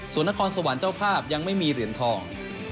ส่วนนครสวรรค์เจ้าภาพยังไม่มีเหรียญทอง